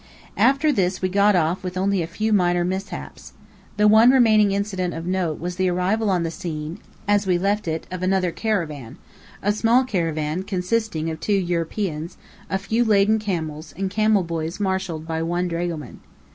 After this we got off with only a few minor mishaps. The one remaining incident of note was the arrival on the scene, as we left it, of another caravan a small caravan consisting of two Europeans a few laden camels, and camel boys marshalled by one dragoman.